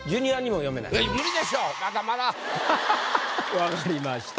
分かりました。